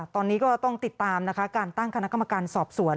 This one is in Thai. ตอนนี้ก็ต้องติดตามนะคะการตั้งคณะกรรมการสอบสวน